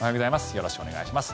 よろしくお願いします。